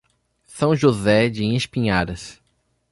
São José de Espinharas